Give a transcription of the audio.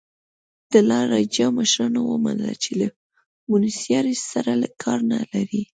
د لا رایجا مشرانو ومنله چې له بونیسایرس سره کار نه لري.